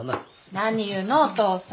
何言うのお父さん。